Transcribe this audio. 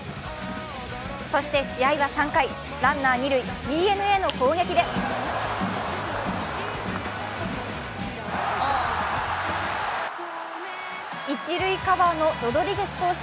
そして試合は３回、ランナー二塁、ＤｅＮＡの攻撃で一塁カバーのロドリゲス投手